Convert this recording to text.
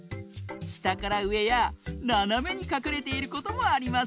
したからうえやななめにかくれていることもありますよ！